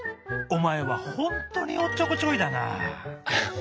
おまえはほんとにおっちょこちょいだなあ」。